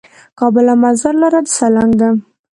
د کابل او مزار لاره د سالنګ ده